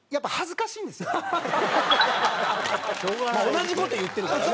同じ事言ってるからね。